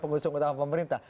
pengusung utama pemerintah